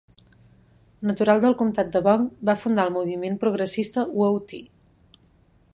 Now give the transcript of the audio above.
Natural del comtat de Bong, va fundar el Moviment Progressista Woah-Tee.